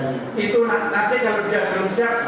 itu nanti kalau tidak belum siap